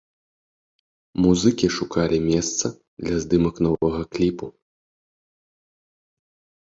Музыкі шукалі месца для здымак новага кліпу.